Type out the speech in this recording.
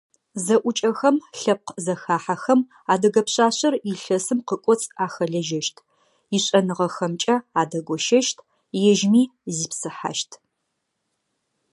Зэӏукӏэхэм, лъэпкъ зэхахьэхэм адыгэ пшъашъэр илъэсым къыкӏоцӏ ахэлэжьэщт, ишӏэныгъэхэмкӏэ адэгощэщт, ежьми зипсыхьащт.